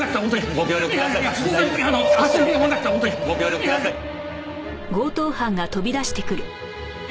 ご協力ください。